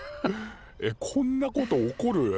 えっこんなこと起こる？